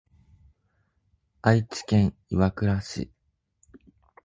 愛知県岩倉市